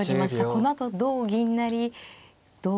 このあと同銀成同。